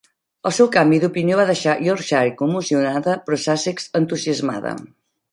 El seu canvi d'opinió va deixar Yorkshire "commocionada", però Sussex "entusiasmada".